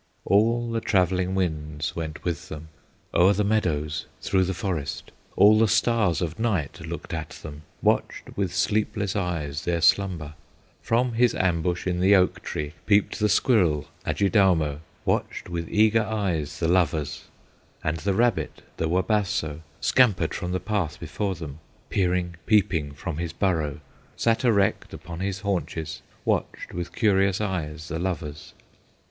All the travelling winds went with them, O'er the meadows, through the forest; All the stars of night looked at them, Watched with sleepless eyes their slumber; From his ambush in the oak tree Peeped the squirrel, Adjidaumo, Watched with eager eyes the lovers; And the rabbit, the Wabasso, Scampered from the path before them, Peering, peeping from his burrow, Sat erect upon his haunches, Watched with curious eyes the lovers.